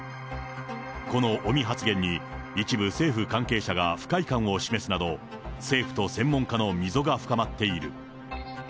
この尾身発言に、一部政府関係者が、不快感を示すなど、政府と専門家の溝が深まっている。